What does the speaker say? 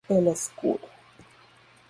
El Escudo.